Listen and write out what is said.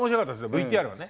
ＶＴＲはね。